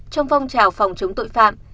trong phong trào phòng chống tội phạm